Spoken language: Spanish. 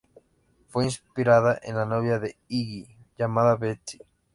Fue inspirada en al novia de Iggy llamada Betsy.